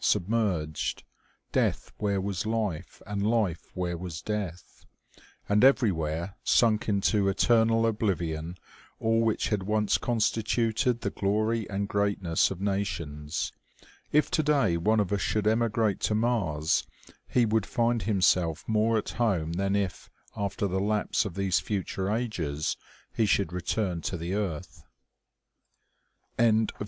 submerged ; death where was life, and life where was death ; and everywhere sunk into eternal oblivion all which had once constituted the glory and greatness of nations. If today one of us should emigrate to Mars, he would find himself more at home than if, after the lapse of these future ages, he should return to the earth. CHAPTER III.